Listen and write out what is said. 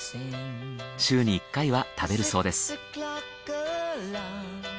週に１回は食べるそうです。